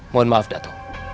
mohon maaf datuk